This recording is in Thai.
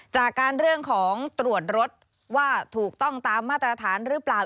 จากการเรื่องของตรวจรถว่าถูกต้องตามมาตรฐานหรือเปล่า